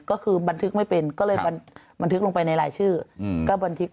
ก็คือบันทึกไม่เป็นก็เลยบันทึกลงไปในรายชื่อก็บันทึก